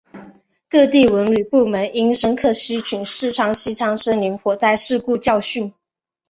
各地文旅部门应深刻吸取四川西昌森林火灾事故教训